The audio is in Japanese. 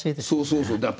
そうそうそう。